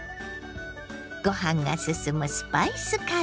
ご飯がすすむスパイスカレー。